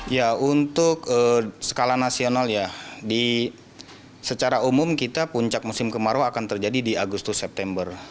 ya untuk skala nasional ya secara umum kita puncak musim kemarau akan terjadi di agustus september